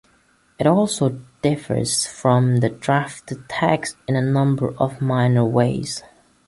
It also differs from the drafted text in a number of minor ways.